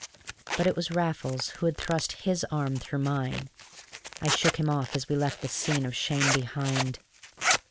But it was Raffles who had thrust his arm through mine. I shook him off as we left the scene of shame behind.